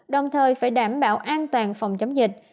đồng thời phải đảm bảo an toàn phòng chống dịch